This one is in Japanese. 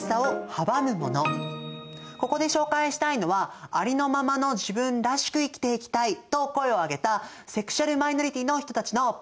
ここで紹介したいのはありのままの自分らしく生きていきたいと声を上げたセクシュアル・マイノリティーの人たちのパレード！